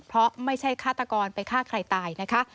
เพราะไม่ใช่ฆาตกรไปฆ่าใครตายนะคะ